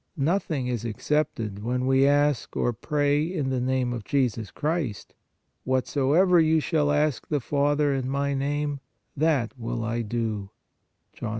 Nothing is excepted, when we ask, or pray, in the name of Jesus Christ: " Whatsoever you shall ask the Father in My name, that will I do" (John 14.